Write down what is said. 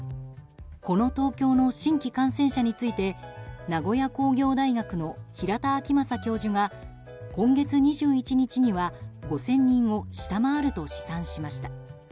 この東京の新規感染者について名古屋工業大学の平田晃正教授が今月２１日には５０００人を下回ると試算しました。